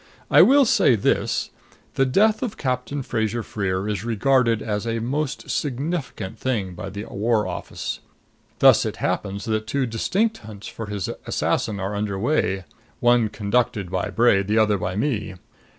I will say this the death of Captain Fraser Freer is regarded as a most significant thing by the War Office. Thus it happens that two distinct hunts for his assassin are under way one conducted by Bray, the other by me.